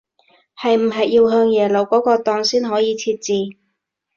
係唔係要向耶魯嗰個檔先可以設置